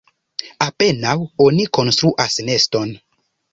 Apenaŭ oni konstruas neston.